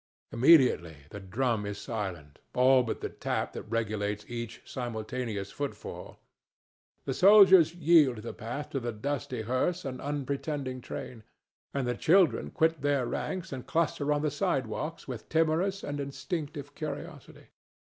Immediately the drum is silent, all but the tap that regulates each simultaneous footfall. The soldiers yield the path to the dusty hearse and unpretending train, and the children quit their ranks and cluster on the sidewalks with timorous and instinctive curiosity.